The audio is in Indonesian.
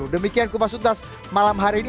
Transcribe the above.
demikian kupas tuntas malam hari ini